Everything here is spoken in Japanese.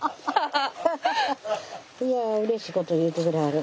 いやうれしいこと言うてくれはる。